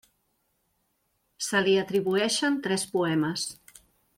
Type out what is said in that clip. Se li atribueixen tres poemes.